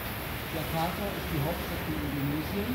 Jakarta ist die Hauptstadt von Indonesien.